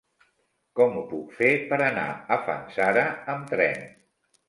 Com ho puc fer per anar a Fanzara amb tren?